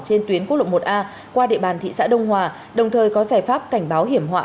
trên tuyến quốc lộ một a qua địa bàn thị xã đông hòa đồng thời có giải pháp cảnh báo hiểm họa